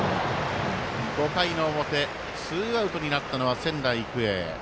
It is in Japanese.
５回の表ツーアウトになったのは仙台育英。